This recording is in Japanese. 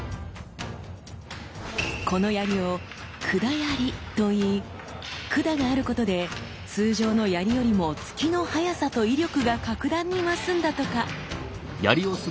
この槍を「管槍」と言い管があることで通常の槍よりも突きの速さと威力が格段に増すんだとか。